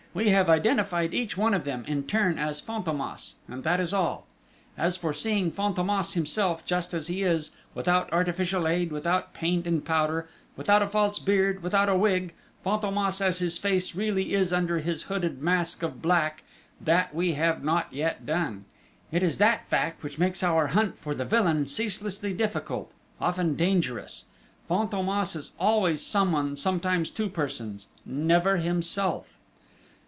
We have identified each one of them, in turn, as Fantômas and that is all. "As for seeing Fantômas himself, just as he is, without artificial aid, without paint and powder, without a false beard, without a wig, Fantômas as his face really is under his hooded mask of black that we have not yet done. It is that fact which makes our hunt for the villain ceaselessly difficult, often dangerous!... Fantômas is always someone, sometimes two persons, never himself!"